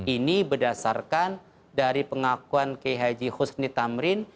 ini berdasarkan dari pengakuan khj husni tamrin